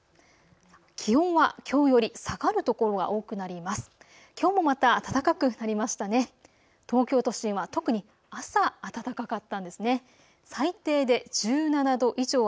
気温はきょうより下がる所が多くなります。